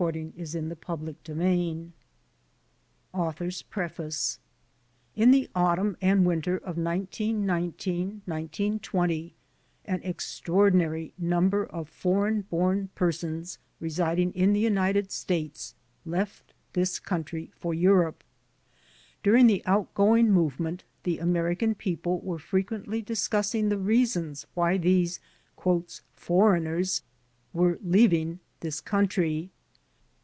Commission on the Church and Social Service AUTHOR'S PREFACE In the autumn and winter of 1919 1920 an extraor dinary number of foreign born persons residing in the United States left this country for Europe. During the out going movement the American people were frequently discussing the reasons why these "foreigners" were leav ing this country.